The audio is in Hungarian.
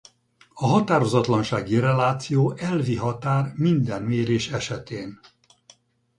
A határozatlansági reláció elvi határ minden mérés esetén.